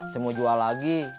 semua jual lagi